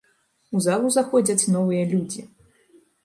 У залу заходзяць новыя людзі.